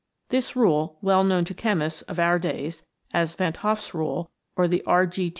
This rule, well known to the chemists of our days as Van 't Hoff's Rule or the R.G.T.